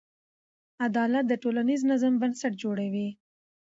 عدالت د ټولنیز نظم بنسټ جوړوي.